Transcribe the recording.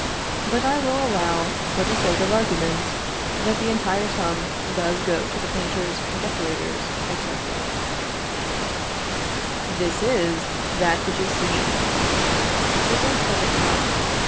But I will allow, for the sake of argument, that the entire sum does go to the painters, decorators, &c. This is that which is seen. But whence does it come?